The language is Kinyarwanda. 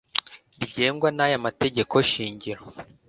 rigengwa n aya mategeko shingiro